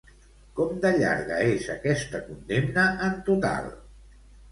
Com de llarga és aquesta condemna en total?